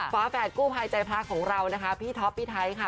ฝาแฝดกู้ภัยใจพระของเรานะคะพี่ท็อปพี่ไทยค่ะ